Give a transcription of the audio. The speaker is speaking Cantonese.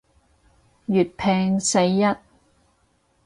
粵拼世一